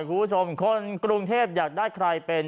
คุณผู้ชมคนกรุงเทพอยากได้ใครเป็น